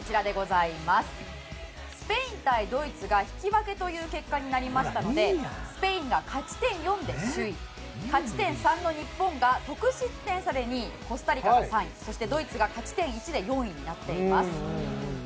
スペイン対ドイツが引き分けという結果になったのでスペインが勝ち点４で首位勝ち点３の日本が得失点差で２位コスタリカが３位ドイツが勝ち点１で４位です。